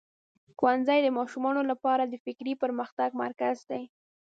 ښوونځی د ماشومانو لپاره د فکري پرمختګ مرکز دی.